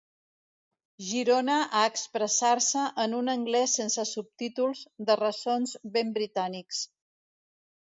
Girona a expressar-se en un anglès sense subtítols, de ressons ben britànics.